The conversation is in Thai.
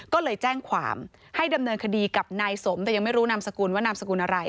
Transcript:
ก็เลยแจ้งความให้ดำเนินคดีกับนายสมแต่ยังไม่รู้นามสกุลว่านามสกุลอะไร